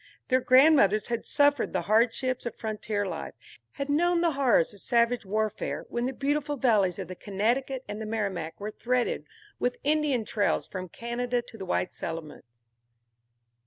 Their grandmothers had suffered the hardships of frontier life, had known the horrors of savage warfare when the beautiful valleys of the Connecticut and the Merrimack were threaded with Indian trails from Canada to the white settlements.